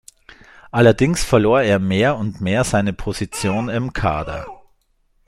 Allerdings verlor er mehr und mehr seine Position im Kader.